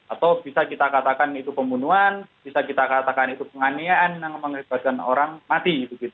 atau bisa kita katakan itu pembunuhan bisa kita katakan itu penganiayaan yang mengakibatkan orang mati